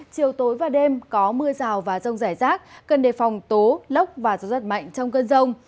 chiều tối và đêm có mưa rào và rông rải rác cần đề phòng tố lốc và gió rất mạnh trong cơn rông